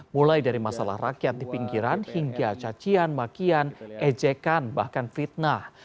mulai dari masalah rakyat di pinggiran hingga cacian makian ejekan bahkan fitnah